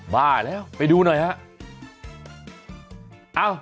บ้าแล้วไปดูหน่อยฮะ